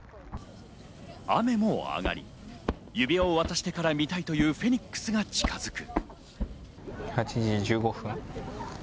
雨もあがり、指輪を渡してから見たいというフェニックスが近づく。